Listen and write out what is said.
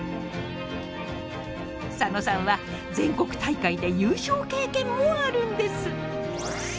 佐野さんは全国大会で優勝経験もあるんです。